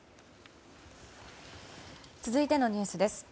続いてのニュースです。